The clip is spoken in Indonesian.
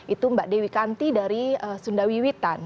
itu mbak dewi kanti dari sundawiwitan